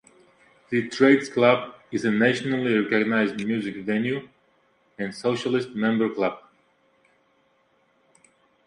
The Trades Club is a nationally recognised music venue and socialist members club.